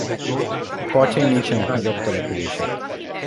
Partjain nincsenek nagyobb települések.